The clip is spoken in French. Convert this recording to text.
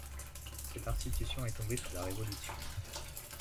Cette institution est tombée sous la Révolution.